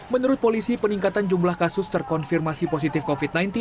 menurut polisi peningkatan jumlah kasus terkonfirmasi positif covid sembilan belas